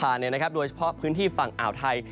และลมพัดผ่านโดยเฉพาะพื้นที่ฝั่งอ่าวไทย